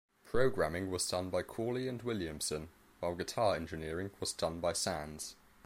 Programming was done by Cooley and Williamson, while guitar engineering was done by Sands.